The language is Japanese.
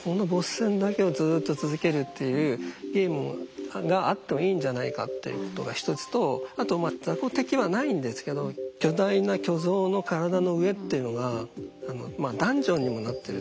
戦だけをずっと続けるっていうゲームがあってもいいんじゃないかってことが一つとあとまあザコ敵はないんですけど巨大な巨像の体の上っていうのがダンジョンにもなってると思う。